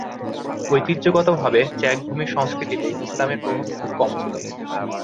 ঐতিহ্যগতভাবে, চেক ভূমির সংস্কৃতিতে ইসলামের প্রভাব খুব কম ছিল।